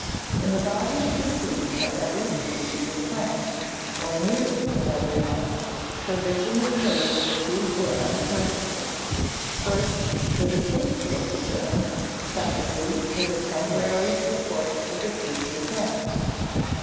In the body of the seed of every species of plant, or nearly of every one, provision is made for two grand purposes: first, for the safety of the germ; secondly, for the temporary support of the future plant.